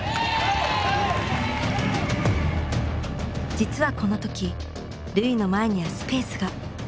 実はこの時瑠唯の前にはスペースが。